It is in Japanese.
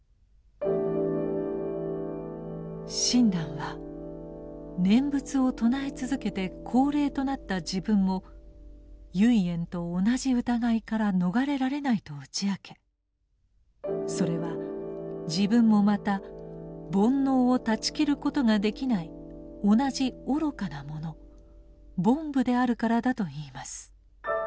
親鸞は念仏を称え続けて高齢となった自分も唯円と同じ疑いから逃れられないと打ち明けそれは自分もまた煩悩を断ち切ることができない同じ愚かな者「凡夫」であるからだと言います。